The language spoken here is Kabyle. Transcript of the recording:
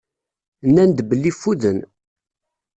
Nnan-d belli ffuden.